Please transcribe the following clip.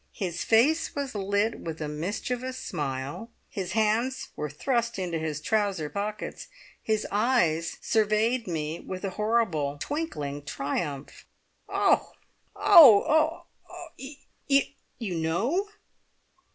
His face was lit with a mischievous smile; his hands were thrust into his trouser pockets; his eyes surveyed me with a horrible, twinkling triumph. "Oh! Oh! Oh! You know!"